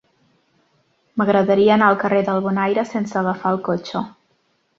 M'agradaria anar al carrer del Bonaire sense agafar el cotxe.